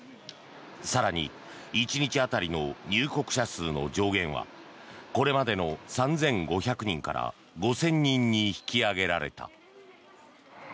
更に、１日当たりの入国者数の上限はこれまでの３５００人から５０００人に引き上げられた。